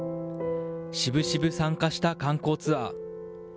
しぶしぶ参加した観光ツアー。